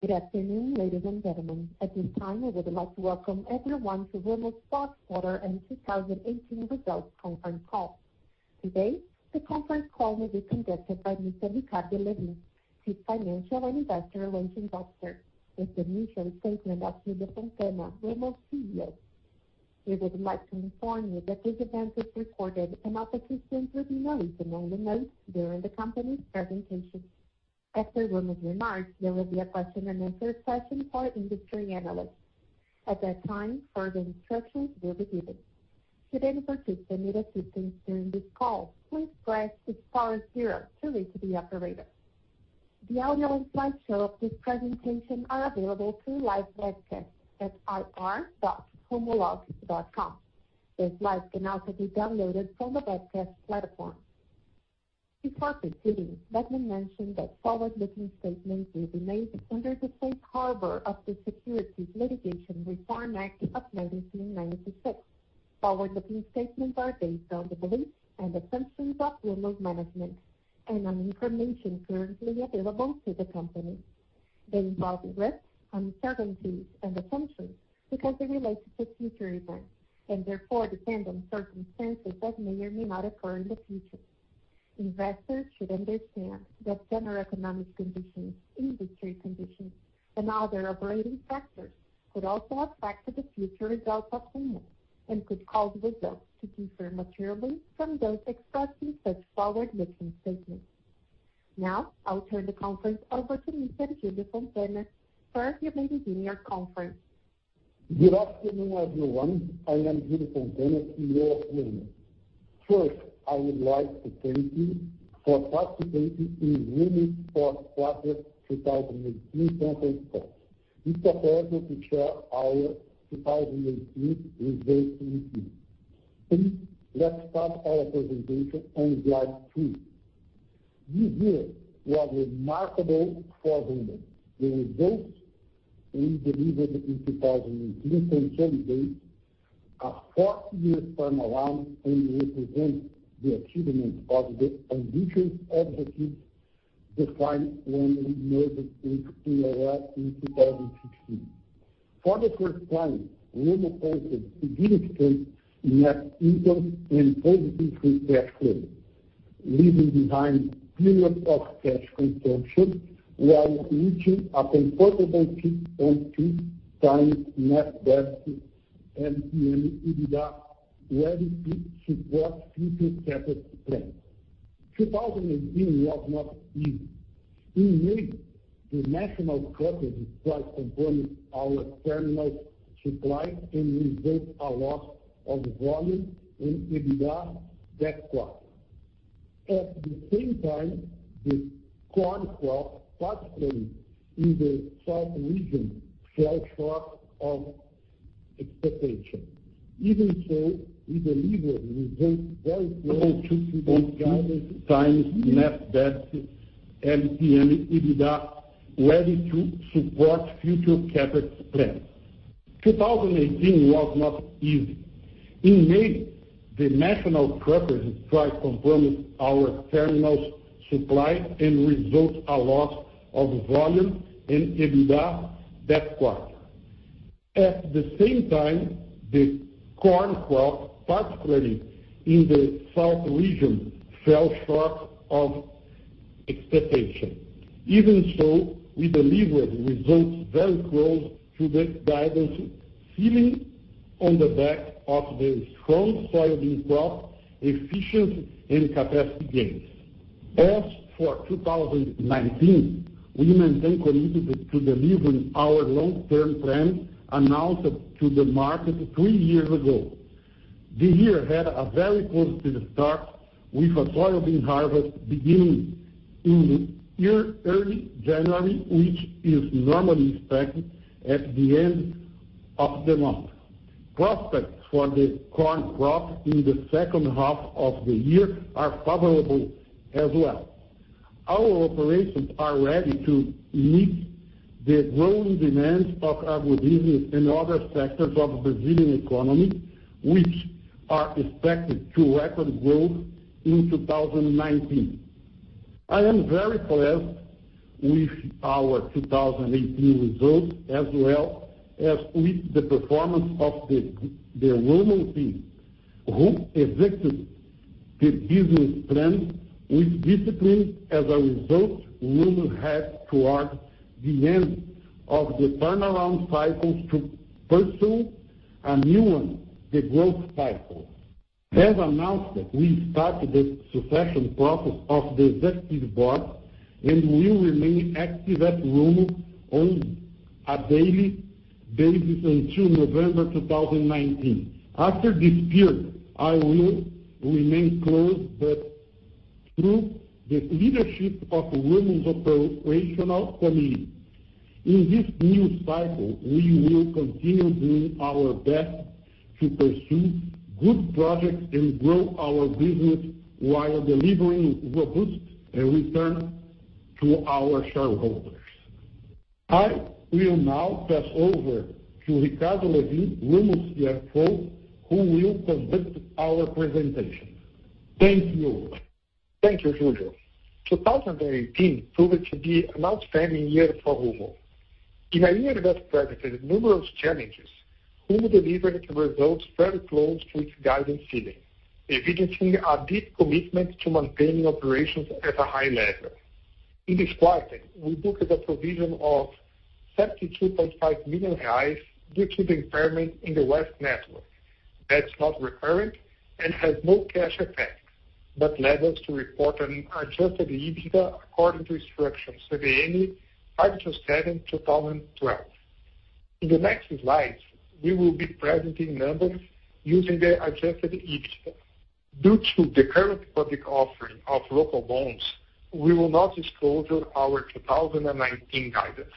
Good afternoon, ladies and gentlemen. At this time, I would like to welcome everyone to Rumo's fourth quarter and 2018 results conference call. Today, the conference call will be conducted by Mr. Ricardo Lewin, Chief Financial and Investor Relations Officer, with the initial statement of Julio Fontana, Rumo's Chief Executive Officer. We would like to inform you that this event is recorded and that assistance will be made available during the company's presentation. After Rumo's remarks, there will be a question and answer session for industry analysts. At that time, further instructions will be given. Should any participant need assistance during this call, please press star zero to reach the operator. The audio and slideshow of this presentation are available through live webcast at ir.rumolog.com. This live can also be downloaded from the webcast platform. Before proceeding, let me mention that forward-looking statements will be made under the safe harbor of the Private Securities Litigation Reform Act of 1995. Forward-looking statements are based on the beliefs and assumptions of Rumo management and on information currently available to the company. They involve risks, uncertainties, and assumptions because they relate to future events, and therefore depend on circumstances that may or may not occur in the future. Investors should understand that general economic conditions, industry conditions, and other operating factors could also affect the future results of Rumo and could cause results to differ materially from those expressed in such forward-looking statements. I'll turn the conference over to Mr. Julio Fontana. Sir, you may begin your conference. Good afternoon, everyone. I am Julio Fontana, Chief Financial Officer of Rumo. First, I would like to thank you for participating in Rumo's fourth quarter 2018 conference call. It's a pleasure to share our 2018 results with you. Please, let's start our presentation on slide two. This year was remarkable for Rumo. The results we delivered in 2018 consolidate a four-year turnaround and represent the achievement of the ambitious objectives defined when we merged with ALL in 2016. For the first time, Rumo posted significant net income and positive free cash flow, leaving behind a period of cash consumption while reaching a comfortable 2.2x net debt LTM EBITDA, ready to support future CapEx plans. 2018 was not easy. In May, the National Truckers Strike compromised our terminals' supply and resulted in a loss of volume and EBITDA that quarter. At the same time, the corn crop, particularly in the south region, fell short of expectations. At the same time, the corn crop, particularly in the south region, fell short of expectations. Even so, we delivered results very close to the guidance. 2.2x net debt LTM EBITDA, ready to support future CapEx plans. 2018 was not easy. In May, the National Truckers Strike compromised our terminals' supply and resulted in a loss of volume and EBITDA that quarter. At the same time, the corn crop, particularly in the south region, fell short of expectations. Even so, we delivered results very close to the guidance, fueling on the back of the strong soybean crop efficiency and capacity gains. As for 2019, we maintain commitment to delivering our long-term plan announced to the market three years ago. The year had a very positive start with a soybean harvest beginning in early January, which is normally expected at the end of the month. Prospects for the corn crop in the second half of the year are favorable as well. Our operations are ready to meet the growing demands of agribusiness and other sectors of the Brazilian economy, which are expected to record growth in 2019. I am very pleased with our 2018 results, as well as with the performance of the Rumo team, who executed the business plan with discipline. As a result, Rumo heads toward the end of the turnaround cycle to pursue a new one, the growth cycle. As announced, we start the succession process of the executive board and will remain active at Rumo on a daily basis until November 2019. After this period, I will remain close, but through the leadership of Rumo's operational committee. In this new cycle, we will continue doing our best to pursue good projects and grow our business while delivering robust return to our shareholders. I will now pass over to Ricardo Lewin, Rumo's Chief Financial Officer, who will conduct our presentation. Thank you. Thank you, Julio. 2018 proved to be an outstanding year for Rumo. In a year that presented numerous challenges, Rumo delivered results very close to its guidance ceiling, evidencing a deep commitment to maintaining operations at a high level. In this quarter, we booked a provision of 72.5 million reais due to the impairment in the West Network. That's not recurring and has no cash effect, led us to report an adjusted EBITDA according to Instruction CVM 527/2012. In the next slides, we will be presenting numbers using the adjusted EBITDA. Due to the current public offering of local bonds, we will not disclose our 2019 guidance.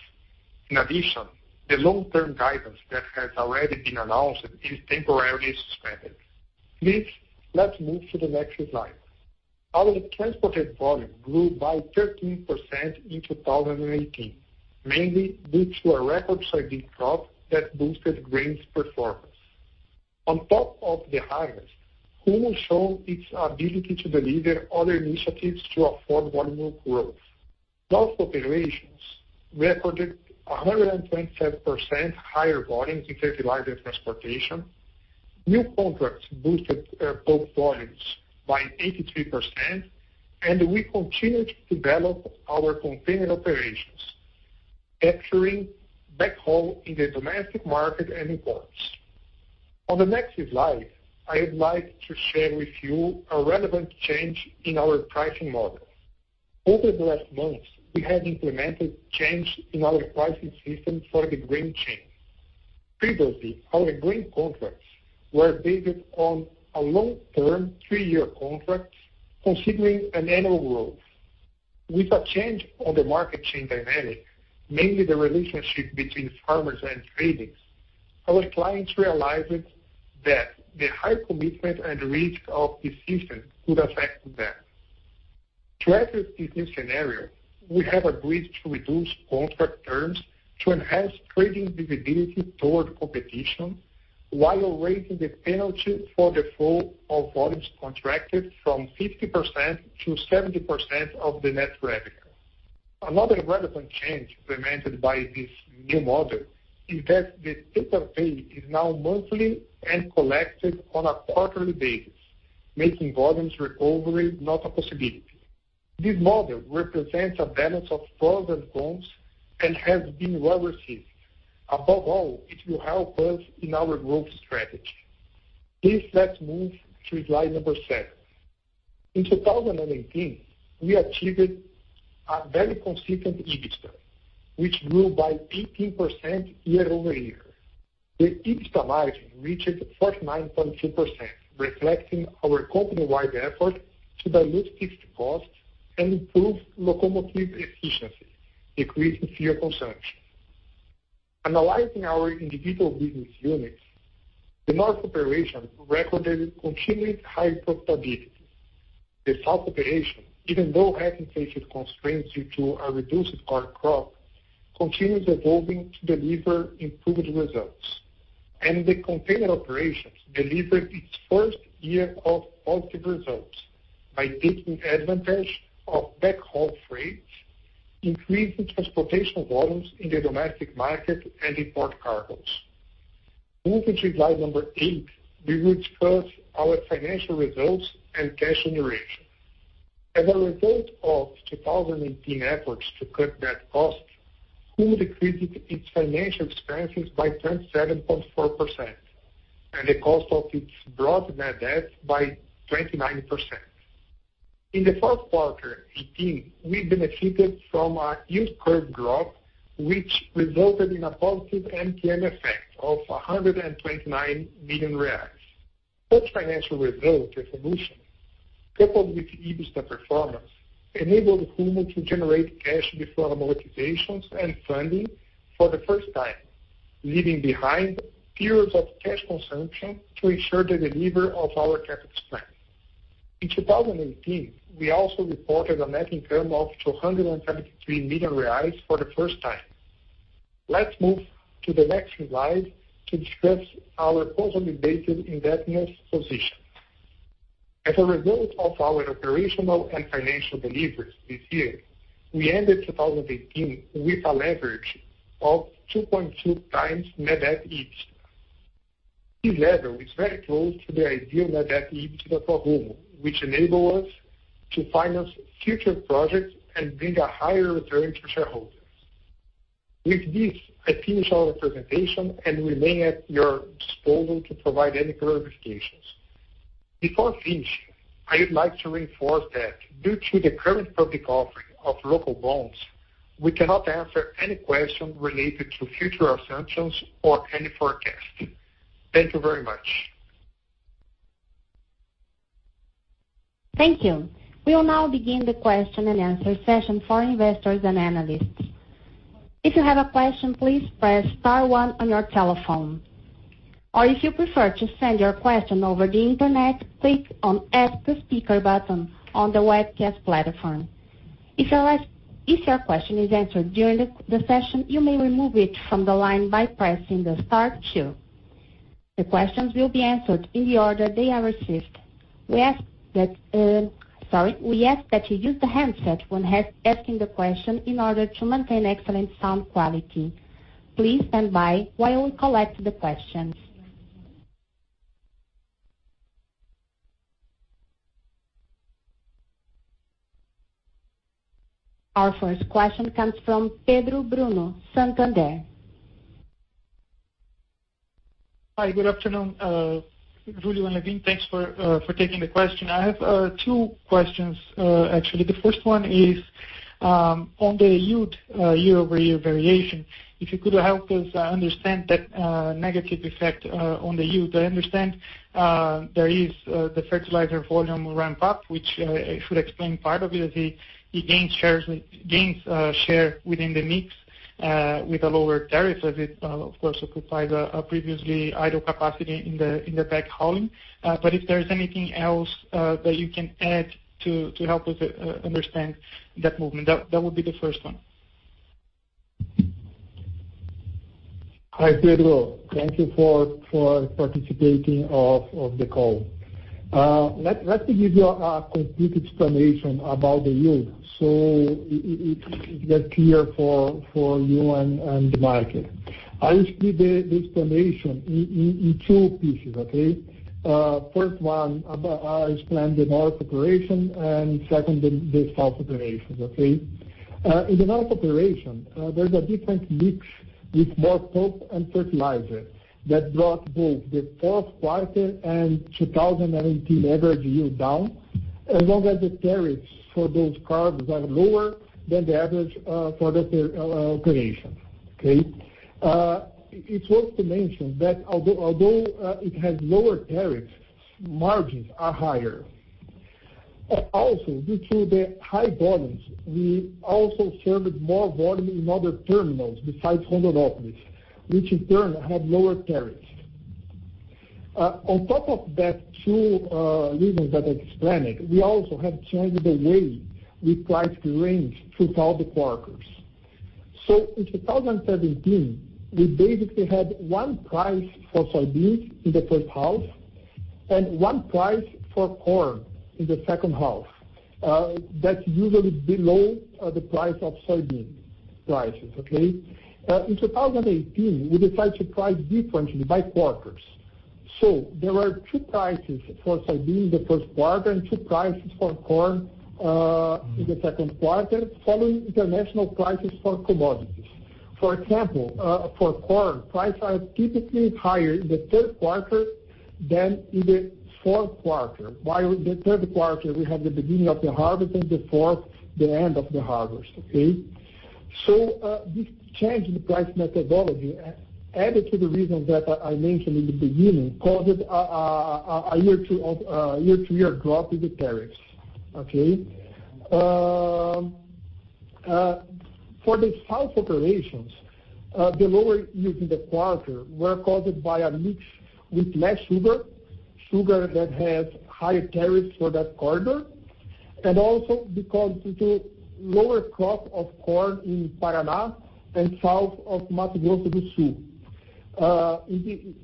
In addition, the long-term guidance that has already been announced is temporarily suspended. Please, let's move to the next slide. Our transported volume grew by 13% in 2018, mainly due to a record soybean crop that boosted grains performance. On top of the harvest, Rumo showed its ability to deliver other initiatives to afford volume growth. North Operations recorded 127% higher volumes in fertilizer transportation. New contracts boosted our port volumes by 83%, we continued to develop our container operations, capturing backhaul in the domestic market and imports. On the next slide, I would like to share with you a relevant change in our pricing model. Over the last months, we have implemented changes in our pricing system for the grain chain. Previously, our grain contracts were based on long-term three-year contracts considering annual growth. With a change on the market chain dynamic, mainly the relationship between farmers and traders, our clients realized that the high commitment and risk of this system could affect them. To address this new scenario, we have agreed to reduce contract terms to enhance trading visibility toward competition, while raising the penalty for default of volumes contracted from 50%-70% of the net revenue. Another relevant change implemented by this new model is that the date of pay is now monthly and collected on a quarterly basis, making volumes recovery not a possibility. This model represents a balance of pros and cons and has been well-received. Above all, it will help us in our growth strategy. Please let's move to slide number seven. In 2018, we achieved a very consistent EBITDA, which grew by 18% year-over-year. The EBITDA margin reached 49.2%, reflecting our company-wide effort to dilute fixed costs and improve locomotive efficiency, decreasing fuel consumption. Analyzing our individual business units, the North Operation recorded continued high profitability. The South Operation, even though having faced constraints due to a reduced corn crop, continues evolving to deliver improved results. The container operations delivered its first year of positive results by taking advantage of backhaul freight, increasing transportation volumes in the domestic market and import cargos. Moving to slide number eight, we will discuss our financial results and cash generation. As a result of 2018 efforts to cut debt costs, Rumo decreased its financial expenses by 37.4%, and the cost of its gross net debt by 29%. In the fourth quarter 2018, we benefited from a yield curve drop, which resulted in a positive MTM effect of 129 million reais. Such financial result evolution, coupled with EBITDA performance, enabled Rumo to generate cash before amortizations and funding for the first time, leaving behind periods of cash consumption to ensure the delivery of our CapEx plan. In 2018, we also reported a net income of 273 million reais for the first time. Let's move to the next slide to discuss our consolidated indebtedness position. As a result of our operational and financial deliveries this year, we ended 2018 with a leverage of 2.2x net debt-to-EBITDA. This level is very close to the ideal net debt-to-EBITDA for Rumo, which enable us to finance future projects and bring a higher return to shareholders. With this, I finish our presentation and remain at your disposal to provide any clarifications. Before finishing, I would like to reinforce that due to the current public offering of local bonds, we cannot answer any question related to future assumptions or any forecast. Thank you very much. Thank you. We will now begin the question and answer session for investors and analysts. If you have a question, please press star one on your telephone. Or if you prefer to send your question over the internet, click on Ask the Speaker button on the webcast platform. If your question is answered during the session, you may remove it from the line by pressing the star two. The questions will be answered in the order they are received. We ask that you use the handset when asking the question in order to maintain excellent sound quality. Please stand by while we collect the questions. Our first question comes from Pedro Bruno, Santander. Hi, good afternoon, Julio and Lewin. Thanks for taking the question. I have two questions, actually. The first one is on the yield year-over-year variation. If you could help us understand that negative effect on the yield. I understand there is the fertilizer volume ramp-up, which should explain part of it as it gains share within the mix with a lower tariff as it, of course, occupies a previously idle capacity in the back hauling. If there is anything else that you can add to help us understand that movement, that would be the first one. Hi, Pedro. Thank you for participating of the call. Let me give you a complete explanation about the yield, it gets clear for you and the market. I'll split the explanation in two pieces, okay? First one, I explain the North Operation, and second, the South Operations, okay? In the North Operation, there's a different mix with more coke and fertilizer that brought both the fourth quarter and 2019 average yield down, as long as the tariffs for those cargos are lower than the average for the operation. Okay? It's worth to mention that although it has lower tariffs, margins are higher. Also, due to the high volumes, we also served more volume in other terminals besides Rondonópolis, which in turn had lower tariffs. On top of that two reasons that I explained, we also have changed the way we price grains throughout the quarters. In 2017, we basically had one price for soybeans in the first half and one price for corn in the second half. That's usually below the price of soybean prices, okay? In 2018, we decided to price differently by quarters. There were two prices for soybeans the first quarter, and two prices for corn in the second quarter, following international prices for commodities. For example, for corn, prices are typically higher in the third quarter than in the fourth quarter. While the third quarter, we have the beginning of the harvest and the fourth, the end of the harvest, okay? This change in the price methodology, added to the reasons that I mentioned in the beginning, caused a year-to-year drop in the tariffs, okay? For the South Operations, the lower yield in the quarter were caused by a mix with less sugar that has higher tariffs for that corridor, and also because of the lower crop of corn in Paraná and south of Mato Grosso do Sul. In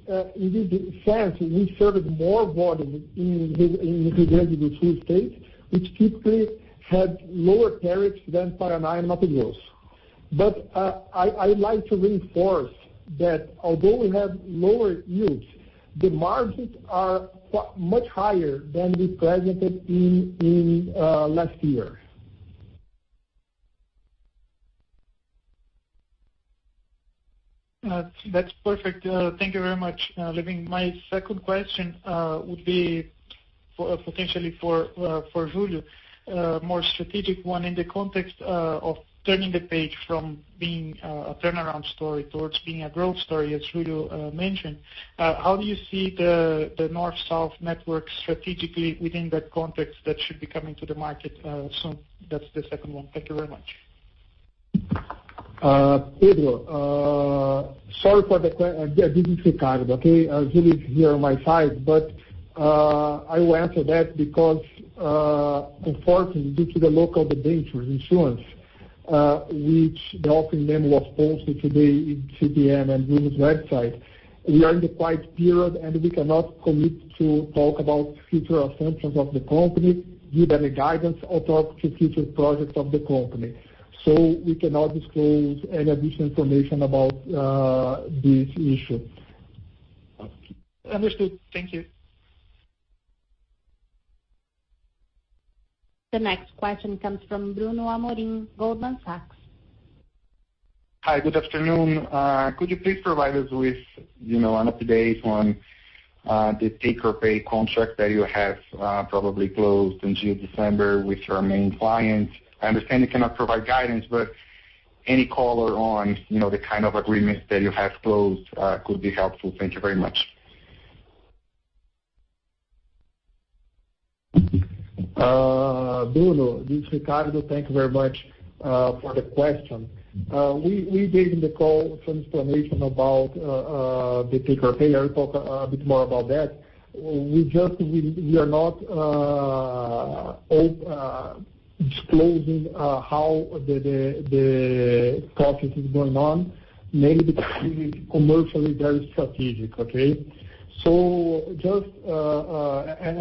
this sense, we served more volume in the Mato Grosso do Sul state, which typically had lower tariffs than Paraná and Mato Grosso. I like to reinforce that although we have lower yields, the margins are much higher than we presented in last year. That's perfect. Thank you very much, Lewin. My second question would be potentially for Julio. A more strategic one in the context of turning the page from being a turnaround story towards being a growth story, as Julio mentioned. How do you see the North-South network strategically within that context that should be coming to the market soon? That's the second one. Thank you very much. Pedro, sorry for that. This is Ricardo, okay? Julio is here on my side. I will answer that because, unfortunately, due to the local debentures insurance, which the offering memo was posted today in CVM and Rumo's website, we are in the quiet period, we cannot commit to talk about future assumptions of the company, give any guidance or talk to future projects of the company. We cannot disclose any additional information about this issue. Understood. Thank you. The next question comes from Bruno Amorim, Goldman Sachs. Hi, good afternoon. Could you please provide us with an update on the take-or-pay contract that you have probably closed in June, December with your main clients? I understand you cannot provide guidance, but any color on the kind of agreements that you have closed could be helpful. Thank you very much. Bruno, this is Ricardo. Thank you very much for the question. We gave in the call some explanation about the take-or-pay. I will talk a bit more about that. We are not disclosing how the process is going on, mainly because it is commercially very strategic. Okay?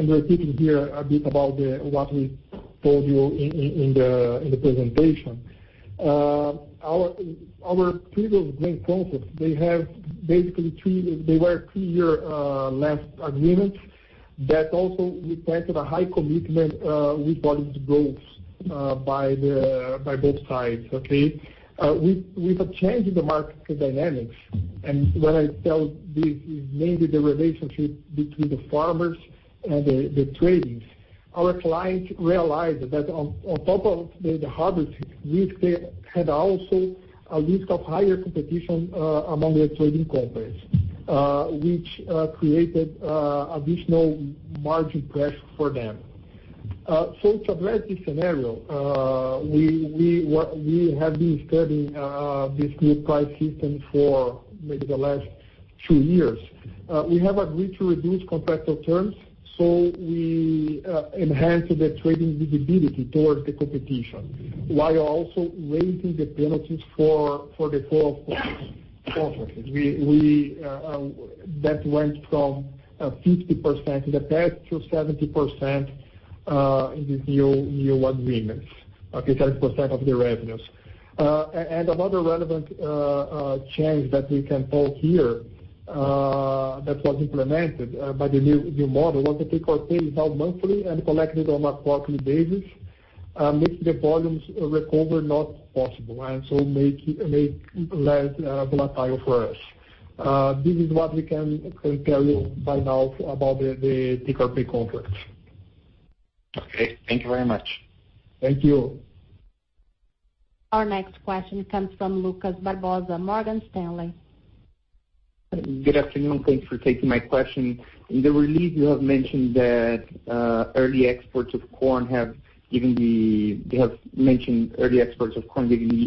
Repeating here a bit about what we told you in the presentation. Our previous grain contracts, they were two-year length agreements that also reflected a high commitment with volumes goals by both sides. Okay? With a change in the market dynamics, when I tell this is mainly the relationship between the farmers and the tradings. Our clients realized that on top of the harvesting risk, they had also a risk of higher competition among the trading companies, which created additional margin pressure for them. To address this scenario, we have been studying this new price system for maybe the last two years. We have agreed to reduce contractual terms, we enhance the trading visibility towards the competition, while also raising the penalties for default clauses. That went from 50% in the past to 70% in the new agreements. Okay? 30% of the revenues. Another relevant change that we can talk here, that was implemented by the new model, was the take-or-pay is now monthly and collected on a quarterly basis, making the volumes recover not possible, make less volatile for us. This is what we can tell you by now about the take-or-pay contracts. Okay. Thank you very much. Thank you. Our next question comes from Lucas Barbosa, Morgan Stanley. Good afternoon. Thank you for taking my question. In the release, you have mentioned early exports of corn given the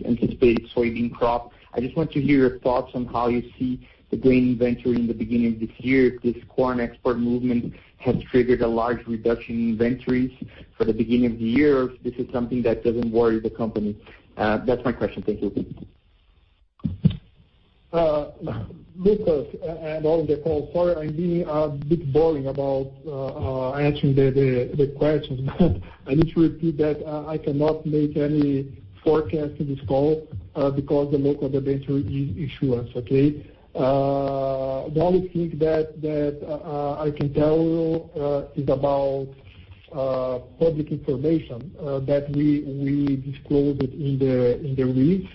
anticipated soybean crop. I just want to hear your thoughts on how you see the grain inventory in the beginning of this year, if this corn export movement has triggered a large reduction in inventories for the beginning of the year, or if this is something that doesn't worry the company. That's my question. Thank you. Lucas, and all in the call. Sorry, I'm being a bit boring about answering the questions, but I need to repeat that I cannot make any forecast in this call because of the nature of the venture issuance, okay? The only thing that I can tell you is about public information that we disclosed in the release.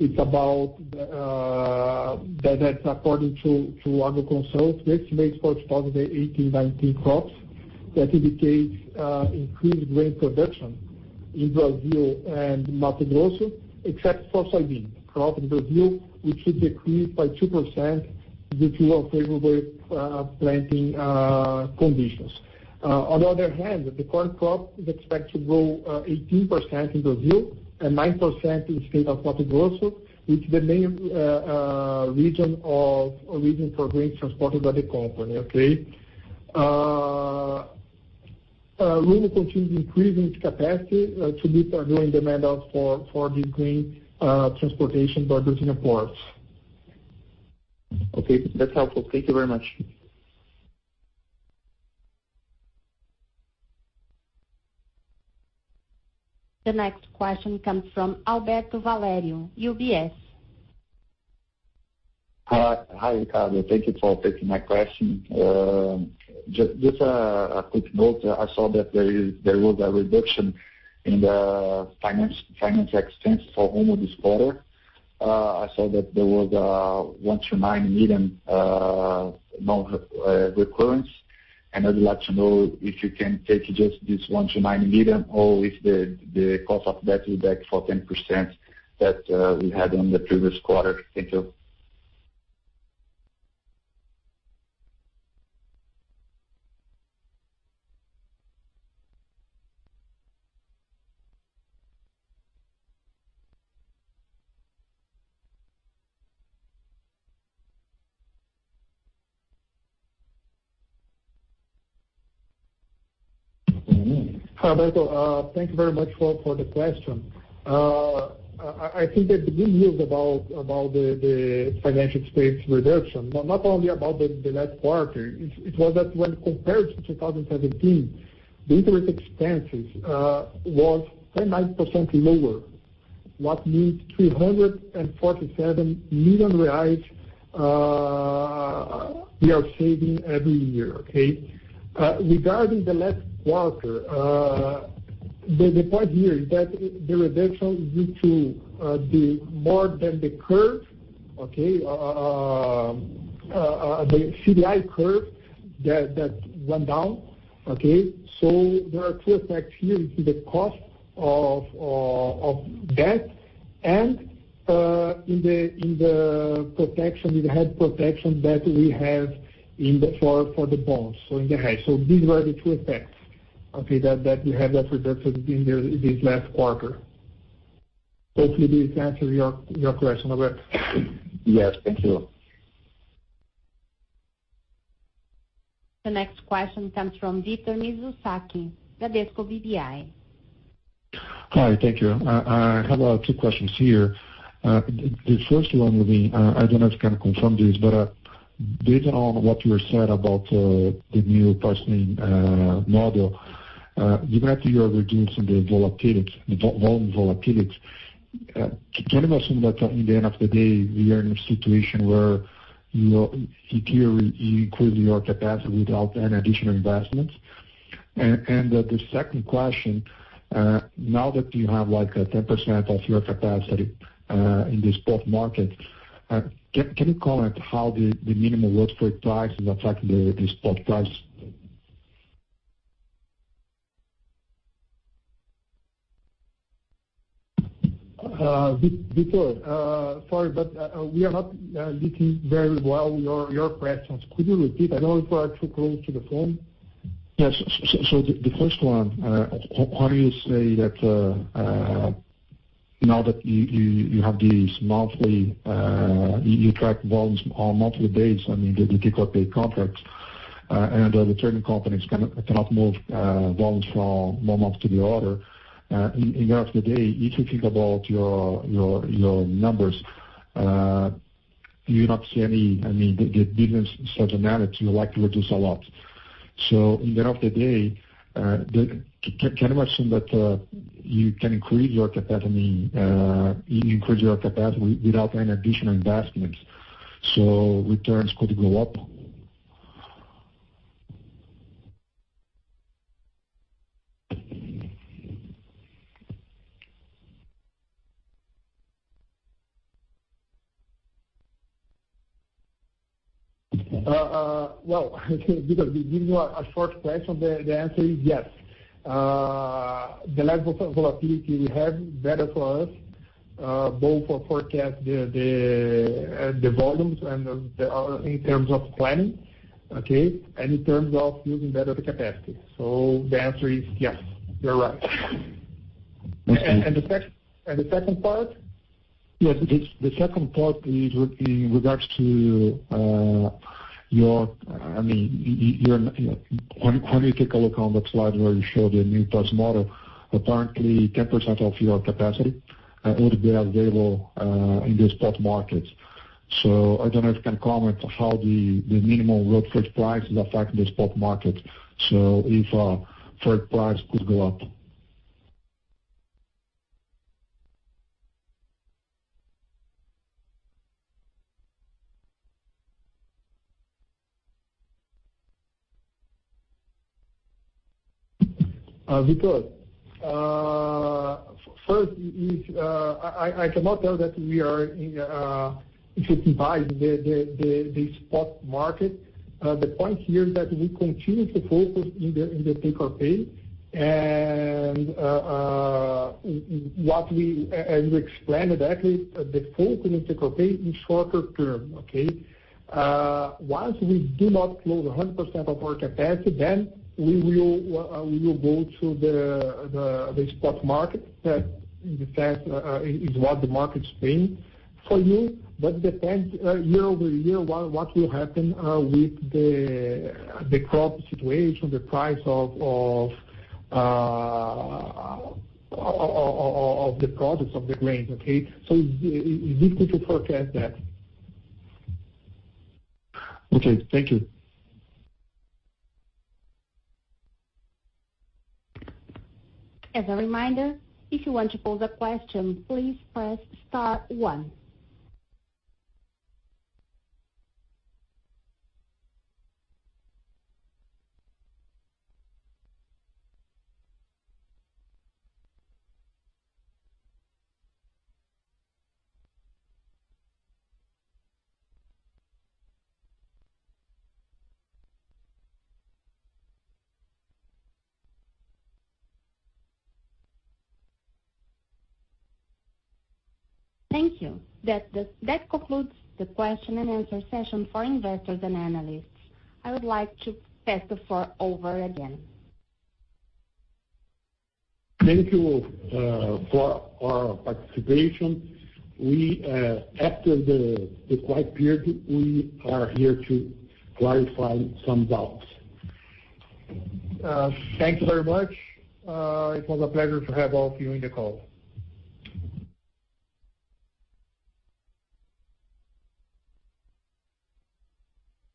It's about that according to AgRural, late May exports for the 2018/2019 crops, that indicates increased grain production in Brazil and Mato Grosso, except for soybean crop in Brazil, which should decrease by 2% due to unfavorable planting conditions. On the other hand, the corn crop is expected to grow 18% in Brazil and 9% in the state of Mato Grosso, which is the main region for grains transported by the company. Okay? Rumo continues increasing its capacity to meet ongoing demand for this grain transportation by building new ports. Okay. That's helpful. Thank you very much. The next question comes from Alberto Valerio, UBS. Hi, Ricardo. Thank you for taking my question. Just a quick note. I saw that there was a reduction in the financial expense for Rumo this quarter. I saw that there was 1.9 million non-recurrence, and I'd like to know if you can take just this 1.9 million, or if the cost of debt is back for 10% that we had on the previous quarter. Thank you. Alberto, thank you very much for the question. I think that the good news about the financial expense reduction, not only about the last quarter. It was that when compared to 2017, the interest expenses was 19% lower. What means 347 million reais we are saving every year. Okay? Regarding the last quarter, the point here is that the reduction is due to more than the curve. Okay? The CDI curve that went down. Okay? There are two effects here: the cost of debt and in the hedge protection that we have for the bonds, so in the hedge. These were the two effects, okay, that we have that reduction in this last quarter. Hopefully, this answers your question, Alberto. Yes. Thank you. The next question comes from Victor Mizusaki, Bradesco BBI. Hi. Thank you. I have two questions here. The first one will be, I don't know if you can confirm this, but based on what you said about the new pricing model, you're going to reduce some of the volume volatilities. Can we assume that at the end of the day, we are in a situation where, in theory, you increase your capacity without any additional investments? The second question, now that you have 10% of your capacity in the spot market, can you comment how the minimum road freight price is affecting the spot price? Victor, sorry, but we are not hearing very well your questions. Could you repeat? I don't know if you are too close to the phone. Yes. The first one, how do you say that now that you track volumes on monthly base, I mean, the take-or-pay contracts, and the trading companies cannot move volume from one month to the other. At the end of the day, if you think about your numbers, you don't see any, I mean, the business seasonality to like reduce a lot. In the end of the day, can I assume that you can increase your capacity without any additional investments, so returns could go up? Well, because giving you a short question, the answer is yes. The level of volatility we have, better for us, both for forecast the volumes and in terms of planning, okay? In terms of using better the capacity. The answer is yes, you're right. Thank you. The second part? Yes. The second part is in regards to your, I mean, when you take a look on that slide where you show the new price model, apparently 10% of your capacity would be available in the spot market. I don't know if you can comment how the minimum road freight price is affecting the spot market. If freight price could go up. Victor, first, I cannot tell that we are if it's by the spot market. The point here is that we continue to focus in the take-or-pay, and as we explained exactly, the focus in take-or-pay is shorter term, okay? Once we do not close 100% of our capacity, we will go to the spot market. That, in the sense, is what the market's paying for you. It depends, year-over-year, what will happen with the crop situation, the price of the products, of the grains, okay? It's difficult to forecast that. Okay. Thank you. As a reminder, if you want to pose a question, please press star one. Thank you. That concludes the question and answer session for investors and analysts. I would like to pass the floor over again. Thank you for your participation. After the quiet period, we are here to clarify some doubts. Thank you very much. It was a pleasure to have all of you in the call.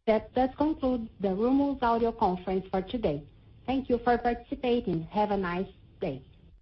That concludes the Rumo's audio conference for today. Thank you for participating. Have a nice day.